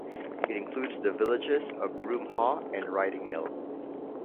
It includes the villages of Broomhaugh and Riding Mill.